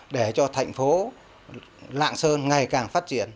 để cho thành phố lạng sơn ngày càng phát triển